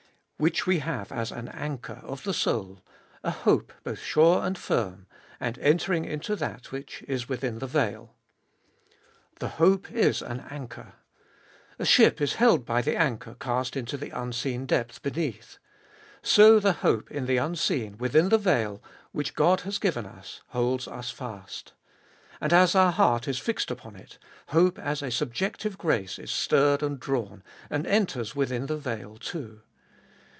Which we have as an anchor of the soul, a hope both sure and firm, and entering into that which is within the veil. The hope is an anchor. A ship is held by the anchor cast into the unseen depth beneath. So the hope in the unseen within the veil, which God has given us, holds us fast. And as our heart is fixed upon it, hope as a subjective grace is stirred and drawn, and enters within the veil too.